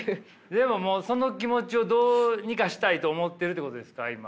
でもその気持ちをどうにかしたいと思ってるってことですか今。